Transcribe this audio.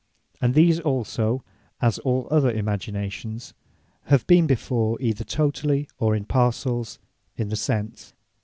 And these also (as all other Imaginations) have been before, either totally, or by parcells in the Sense.